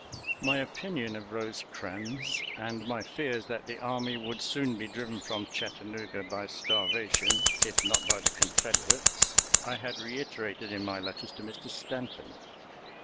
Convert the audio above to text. My opinion of Rosecrans and my fears that the army would soon be driven from Chattanooga by starvation, if not by the Confederates, I had reiterated in my letters to Mr. Stanton.